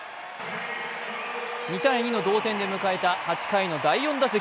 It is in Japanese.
２−２の同点で迎えた８回の第４打席。